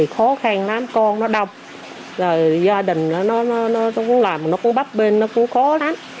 khó khăn lắm con nó đông gia đình nó cũng làm nó cũng bắp bên nó cũng khó lắm